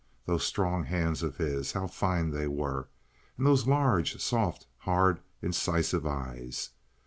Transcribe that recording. Those strong hands of his—how fine they were—and those large, soft hard, incisive eyes.